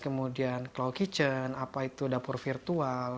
kemudian cloud kitchen apa itu dapur virtual